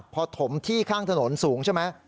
พอถมที่ข้างถนนสูงใช่ไหม